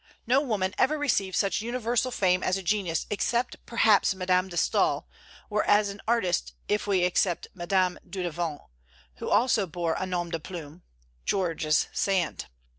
No woman ever received such universal fame as a genius except, perhaps, Madame de Staël; or as an artist, if we except Madame Dudevant, who also bore a nom de plume, Georges Sand.